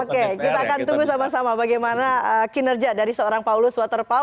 oke kita akan tunggu sama sama bagaimana kinerja dari seorang paulus waterpau